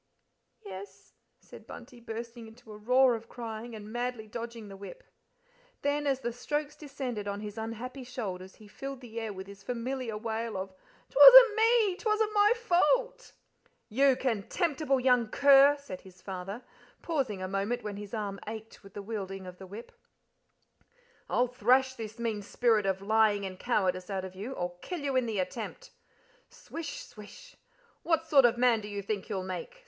"Yes," said Bunty, bursting into a roar of crying, and madly dodging the whip. Then, as the strokes descended on his unhappy shoulders, he filled the air with his familiar wail of "'Twasn't me, 'twasn't my fault!" "You contemptible young cur!" said his father, pausing a moment when his arm ached with wielding the whip. "I'll thrash this mean spirit of lying and cowardice out of you, or kill you in the attempt." Swish, swish. "What sort of a man do you think you'll make?"